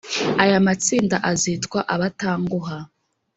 aya matsinda azitwa abatanguha